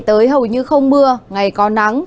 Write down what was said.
tới hầu như không mưa ngày có nắng